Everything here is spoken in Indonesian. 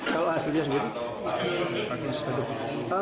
kalau hasilnya seperti apa